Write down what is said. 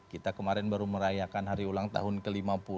kita kemarin baru merayakan hari ulang tahun ke lima puluh